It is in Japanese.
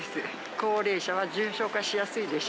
高齢者は重症化しやすいでしょ。